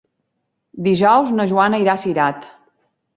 Dijous na Joana irà a Cirat.